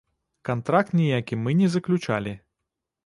Кантракт ніякі мы не заключалі.